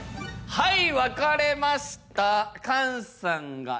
はい。